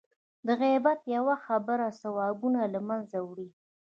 د غیبت یوه خبره ثوابونه له منځه وړي.